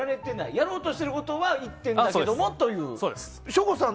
やろうとしていることは１点だけどもという。